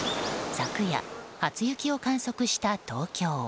昨夜、初雪を観測した東京。